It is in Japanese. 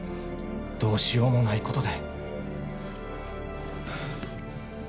どうしようもないことで。